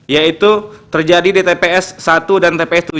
yaitu terjadi di tps satu dan tps tujuh